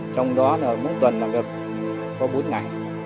trong đó mỗi tuần làm việc có bốn ngày